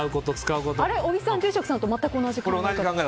小木さん、住職さんと全く同じ考え？